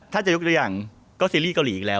ถ้าจะยกตัวอย่างก็ซีรีส์เกาหลีอีกแล้ว